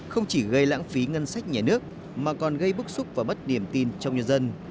không chỉ gây lãng phí ngân sách nhà nước mà còn gây bức xúc và mất niềm tin trong nhân dân